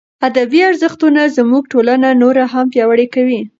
ادبي ارزښتونه زموږ ټولنه نوره هم پیاوړې کوي.